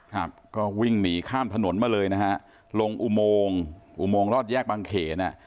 ครับก็วิ่งหนีข้ามถนนมาเลยนะฮะลงอุโมงอุโมงรอดแยกบางเขนอ่ะ